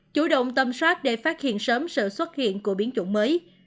chủ động tâm soát để phát hiện sớm sự xuất hiện của biến chủng mới